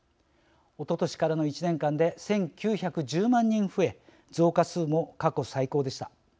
おととしからの１年間で１９１０万人増え増加数も過去最高でした。